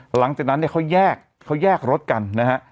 หลังจากนั้นเนี่ยเขาแยกเขาแยกรถกันนะฮะ